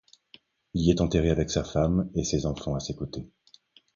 Il y est enterré avec sa femme et ses enfants à ses côtés.